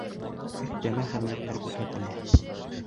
Өҫтәмә хеҙмәттәр күрһәтелә.